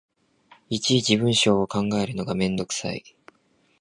いちいち文章を考えるのがめんどくさい